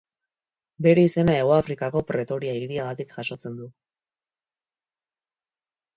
Bere izena Hego Afrikako Pretoria hiriagatik jasotzen du.